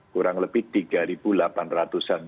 kurang lebih tiga delapan ratus an